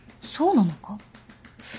そうなのか？